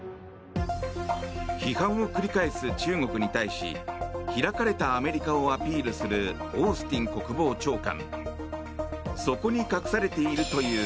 批判を繰り返す中国に対し開かれたアメリカをアピールするオースティン国防長官。